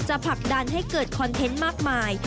ผลักดันให้เกิดคอนเทนต์มากมาย